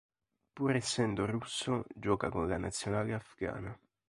Pur essendo russo, gioca con la nazionale afghana.